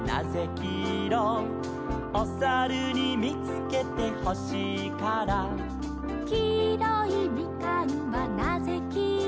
「おさるにみつけてほしいから」「きいろいミカンはなぜきいろ」